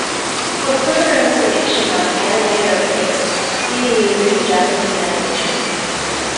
For further information on anime openings, see Music in Japanese animation.